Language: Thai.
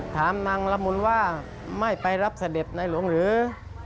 ถามนางละมุนว่าไม่ไปรับเสด็จในหลวงหรือ